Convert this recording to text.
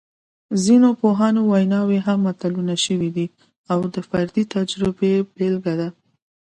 د ځینو پوهانو ویناوې هم متلونه شوي دي او د فردي تجربې بېلګه ده